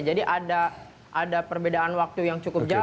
jadi ada perbedaan waktu yang cukup jauh